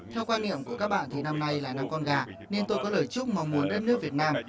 theo quan niệm của các bạn thì năm nay lại là con gà nên tôi có lời chúc mong muốn đất nước việt nam